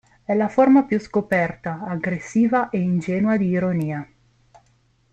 È la forma più scoperta, aggressiva e ingenua di ironia.